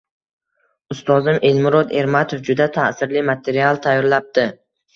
Ustozim Elmurod Ermatov juda ta’sirli material tayyorlabdi.